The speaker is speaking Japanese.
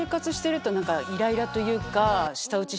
イライラというか。